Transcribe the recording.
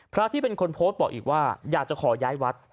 ที่เป็นคนโพสต์บอกอีกว่าอยากจะขอย้ายวัด